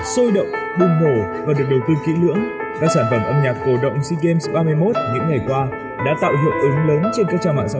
xôi động bùng hổ và được đầu tư kỹ lưỡng các sản phẩm âm nhạc cổ động seagames ba mươi một những ngày qua đã tạo hiệu ứng lớn trên các trang mạng